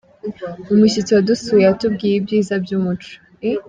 Umushyitsi wadusuye yatubwiye ibyiza byumuco.